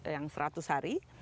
yang seratus hari